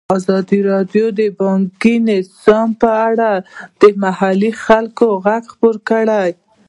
ازادي راډیو د بانکي نظام په اړه د محلي خلکو غږ خپور کړی.